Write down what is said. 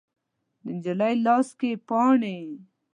د نجلۍ لاس کې پاڼې